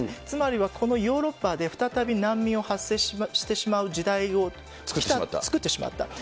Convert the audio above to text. つまりはこのヨーロッパで再び難民を発生してしまう時代を作ってしまった。